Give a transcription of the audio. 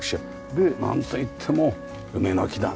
でなんといっても梅の木だね。